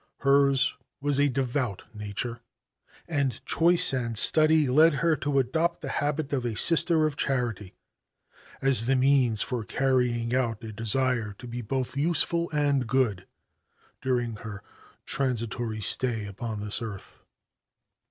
Hers was a devout nature, and choice and study led her to adopt the habit of a Sister of Charity as the means for carrying out a desire to be both useful and good during her transitory stay upon this earth.